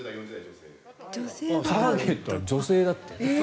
ターゲットは女性だって。